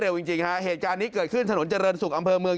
จริงจริงฮะเหตุการณ์นี้เกิดขึ้นถนนเจริญศุกร์อำเภอเมือง